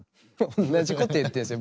同じこと言ってるんですよ。